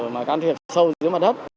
mà can thiệp sâu dưới mặt đất